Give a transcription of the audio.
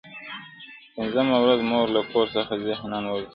په پنځمه ورځ مور له کور څخه ذهناً وځي-